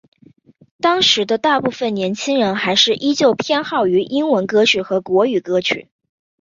当时的大部份年轻人还是依旧偏好于英文歌曲和国语歌曲。